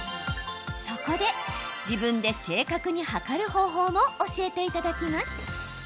そこで、自分で正確に測る方法も教えていただきます。